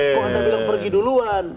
kok anda bilang pergi duluan